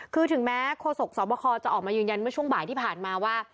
คือถึงแม้โฆษกสอบคอจะออกมายืนยันเมื่อช่วงบ่ายที่ผ่านมาว่า